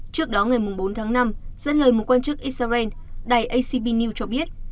trước đó ngày bốn tháng năm dẫn lời một quan chức israel đài acb news cho biết